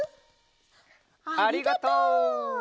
ありがとう！